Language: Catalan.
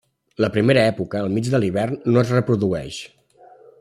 La primera època, al mig de l'hivern, no es reprodueix.